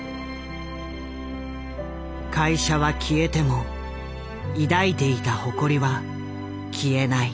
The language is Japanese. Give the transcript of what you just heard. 会社は消えても抱いていた誇りは消えない。